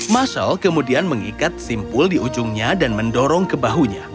muschael kemudian mengikat simpul di ujungnya dan mendorong ke bahunya